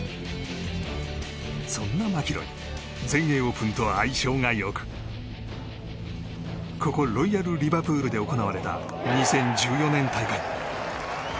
そんなマキロイ全英オープンと相性がよくここロイヤル・リバプールで行われた２０１４年大会。